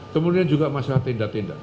kemudian juga masalah tenda tenda